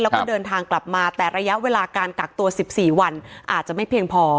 แล้วก็เดินทางกลับมาแต่ระยะเวลาการกักตัว๑๔วันอาจจะไม่เพียงพอ